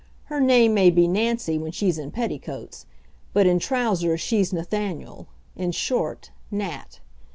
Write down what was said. Her name may be Nancy when she's in petticoats, but in trousers she's Nathaniel in short, Nat.